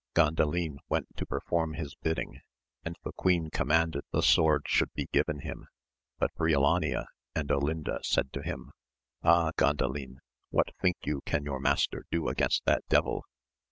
Gandalin went to perform his bidding, and the queen conimanded the sword should be given him; but Briolania and Olinda said to him. Ah Gandalin, what think you can your master do against that devil